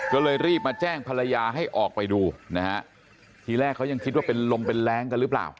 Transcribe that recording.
ก็เลยรีบมาแจ้งภรรยาให้ออกไปดูนะฮะทีแรกเขายังคิดว่าเป็นลมเป็นแรงกันหรือเปล่า